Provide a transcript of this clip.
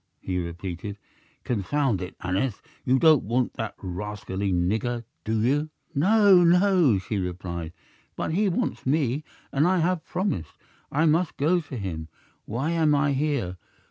he repeated. "Confound it, Aneth, you don't want that rascally nigger, do you?" "No, no!" she replied; "but he wants me, and I have promised; I must go to him. Why am I here?